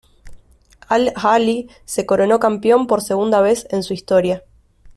Al-Ahly se coronó campeón por segunda vez en su historia.